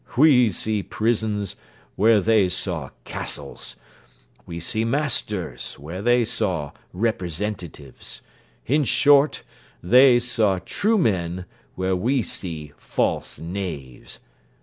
We see prisons, where they saw castles. We see masters, where they saw representatives. In short, they saw true men, where we see false knaves.